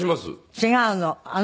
違うの。